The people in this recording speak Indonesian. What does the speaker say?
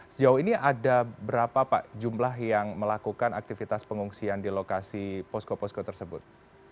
sejauh ini ada berapa pak jumlah yang melakukan aktivitas pengungsian di lokasi posko posko tersebut